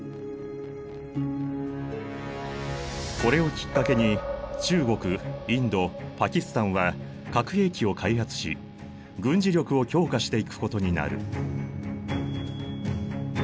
これをきっかけに中国インドパキスタンは核兵器を開発し軍事力を強化していくことになる。